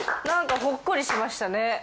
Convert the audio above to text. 何かほっこりしましたね。